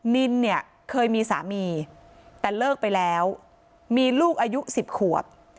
นินเนี่ยเคยมีสามีแต่เลิกไปแล้วมีลูกอายุ๑๐ขวบ